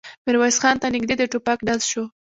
ميرويس خان ته نږدې د ټوپک ډز شو.